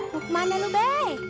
mok mana lu be